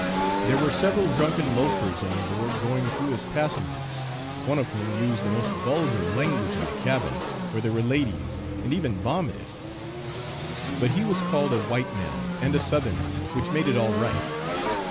There were several drunken loafers on board going through as passengers, one of whom used the most vulgar language in the cabin, where there were ladies, and even vomited! But he was called a white man, and a southerner, which made it all right.